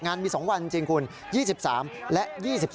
มี๒วันจริงคุณ๒๓และ๒๓